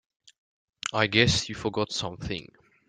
I guess you forgot something.